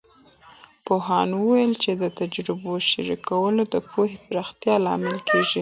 پوهاند وویل چې د تجربو شریکول د پوهې پراختیا لامل کیږي.